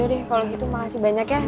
yaudah deh kalo gitu makasih banyak ya